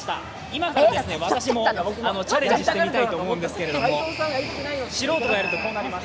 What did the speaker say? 今から私もチャレンジしてみたいと思うんですけれども、素人がやるとこうなります。